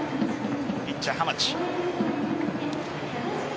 ピッチャー・浜地。